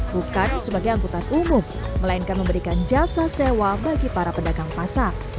bukan sebagai angkutan umum melainkan memberikan jasa sewa bagi para pedagang pasar